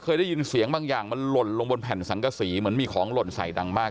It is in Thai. เคยได้ยินเสียงบางอย่างมันหล่นลงบนแผ่นสังกษีเหมือนมีของหล่นใส่ดังมาก